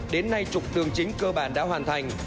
đến nay trục đường chính cơ bản đã hoàn thành